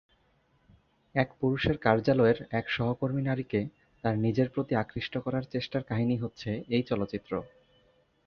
এক পুরুষের কার্যালয়ের এক সহকর্মী নারীকে তার নিজের প্রতি আকৃষ্ট করার চেষ্টার কাহিনী হচ্ছে এই চলচ্চিত্র।